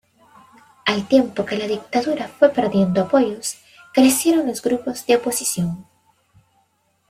Al tiempo que la Dictadura fue perdiendo apoyos, crecieron los grupos de oposición.